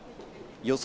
予想